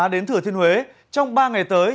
đến thừa thiên huế trong ba ngày tới